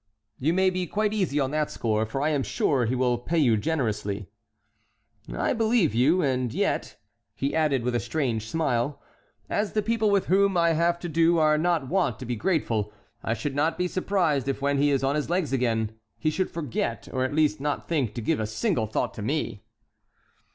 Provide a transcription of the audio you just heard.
"You may be quite easy on that score, for I am sure he will pay you generously." "I believe you. And yet," he added with a strange smile, "as the people with whom I have to do are not wont to be grateful, I should not be surprised if when he is on his legs again he should forget or at least not think to give a single thought to me."